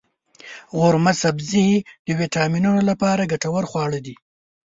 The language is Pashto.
قورمه سبزي د ویټامینونو لپاره ګټور خواړه دی.